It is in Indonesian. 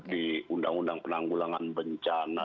di undang undang penanggulangan bencana